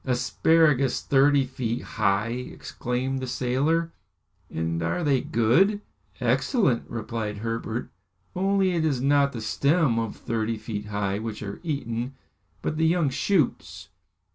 "Asparagus thirty feet high!" exclaimed the sailor. "And are they good?" "Excellent," replied Herbert. "Only it is not the stems of thirty feet high which are eaten, but the young shoots."